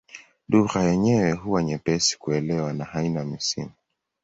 Lugha yenyewe huwa nyepesi kuelewa na haina misimu.